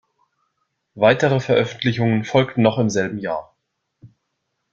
Weitere Veröffentlichungen folgten noch im selben Jahr.